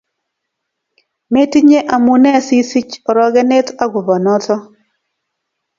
Metinye amune sisich orokenet akopo noto